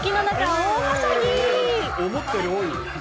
思ったより多い。